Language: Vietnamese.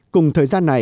cùng thời gian này